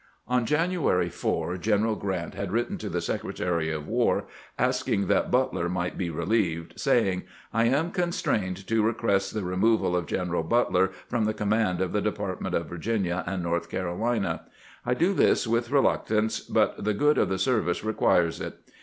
On January 4 General Grant had written to the Secretary of War asking that Butler might be relieved, saying: "I am constrained to request the removal of General Butler from the command of the Department of "Virginia and North Carolina. I do this with reluctance, but the good of the service requires it.